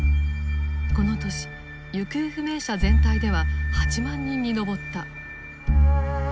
この年行方不明者全体では８万人に上った。